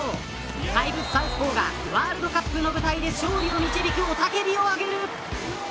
怪物サウスポーがこのワールドカップの舞台で勝利に導く雄たけびをあげる。